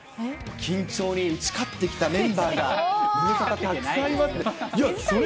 緊張に打ち勝ってきたメンバーが、ズムサタ、たくさんいます。